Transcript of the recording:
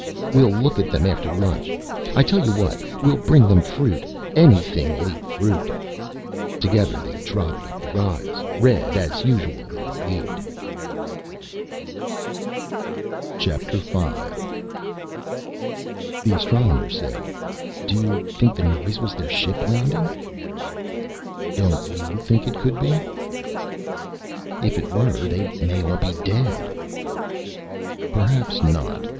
We'll look at them after lunch. I tell you what. We'll bring them fruit. Anything'll eat fruit." Together they trotted up the rise, Red, as usual, in the lead. V The Astronomer said, "You think the noise was their ship landing?" "Don't you think it could be?" "If it were, they may all be dead." "Perhaps not."